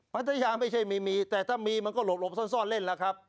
พัทยาไม่ใช่มีแต่ถ้ามีมันก็หลบซ่อนเล่นแล้วครับ